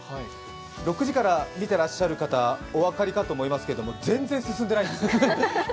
６時から見てらっしゃる方お分かりかと思いますが全然進んでないです。